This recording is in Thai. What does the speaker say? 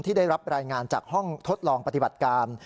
ได้รับรายงานจากห้องทดลองปฏิบัติการ